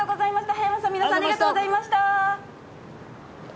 葉山さん、皆さんありがとうございました。